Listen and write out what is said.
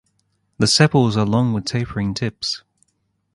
The sepals are long with tapering tips.